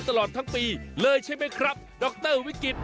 ตลอดทั้งปีเลยใช่ไหมครับดรวิกฤต